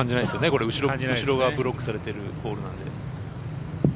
これ、後ろがブロックされてるホールなんで。